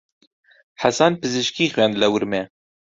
حەسەن پزیشکی خوێند لە ورمێ.